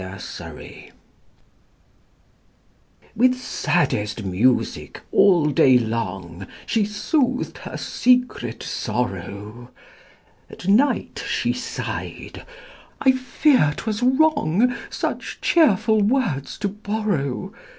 8 Autoplay With saddest music all day long She soothed her secret sorrow: At night she sighed "I fear 'twas wrong Such cheerful words to borrow.